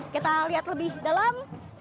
kita lihat lebih dalam